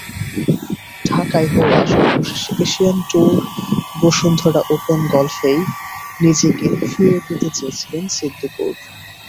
ঢাকায় হওয়া সর্বশেষ এশিয়ান ট্যুর বসুন্ধরা ওপেন গলফেই নিজেকে ফিরে পেতে চেয়েছিলেন সিদ্দিকুর।